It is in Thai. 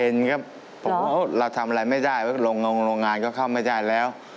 เห็นครับเราทำอะไรไม่ได้โรงงานก็เข้าไม่ได้แล้ว